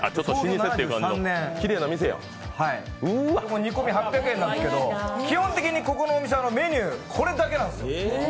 煮込み、８００円なんですけど基本的にこのお店、メニュー、これだけなんですよ。